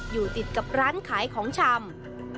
อยู่ติดกับร้านขายของชำ